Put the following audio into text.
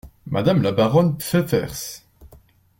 Madame la baronne Pfeffers.